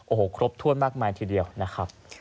โอ้โหครบถ้วนมากมายทีเดียวนะครับ